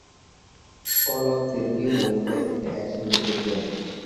Call of Duty মূলত একটি action ভিত্তিক গেইম।